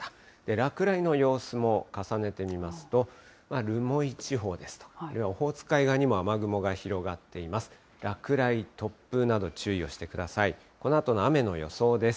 落雷の様子も重ねてみますと、留萌地方ですとか、オホーツク海側にも雨雲が広がっています。